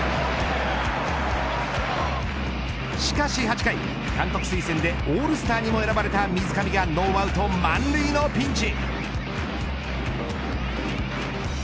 しかし８回監督推薦でオールスターにも選ばれた水上がノーアウト満塁のピンチ。